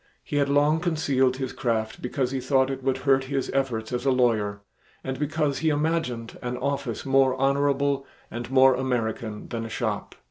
He had long concealed his craft because he thought it would hurt his efforts as a lawyer and because he imagined an office more honorable and "more American" than a shop.